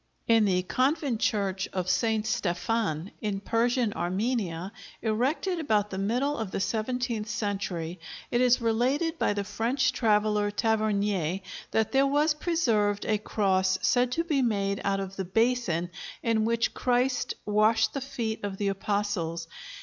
In the convent church of St. Stephan, in Persian Armenia, erected about the middle of the seventeenth century, it is related by the French traveller Tavernier that there was preserved a cross said to be made out of the basin in which Christ washed the feet of the Apostles.